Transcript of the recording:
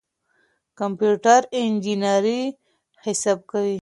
کمپيوټر انجنيري حساب کوي.